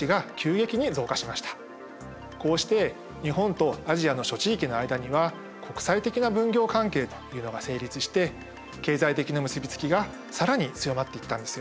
こうして日本とアジアの諸地域の間には国際的な分業関係というのが成立して経済的な結び付きが更に強まっていったんですよ。